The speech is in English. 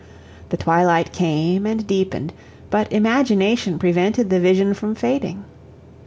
The twilight came and deepened, but imagination prevented the vision from fading.